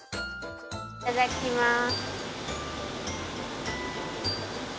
いただきます。